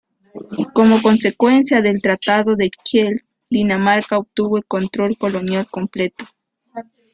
Como consecuencia del Tratado de Kiel, Dinamarca obtuvo el control colonial completo.